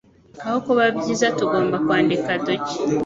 Aho kuba byiza. Tugomba kwandika dute